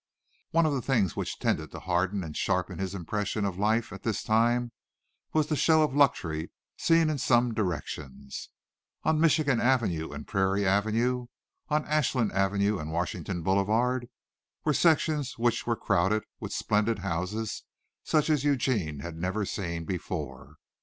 One of the things which tended to harden and sharpen his impressions of life at this time was the show of luxury seen in some directions. On Michigan Avenue and Prairie Avenue, on Ashland Avenue and Washington Boulevard, were sections which were crowded with splendid houses such as Eugene had never seen before.